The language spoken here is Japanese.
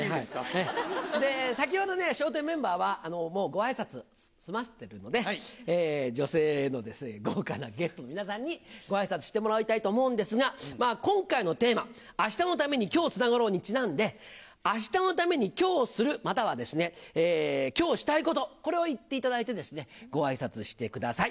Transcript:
先ほどね、笑点メンバーは、もうごあいさつ済ませてるので、女性の豪華なゲスト皆さんにごあいさつしてもらいたいと思うんですが、今回のテーマ、明日のために、今日つながろう。にちなんで、あしたのためにきょうする、または今日したいこと、これを言っていただいて、ごあいさつしてください。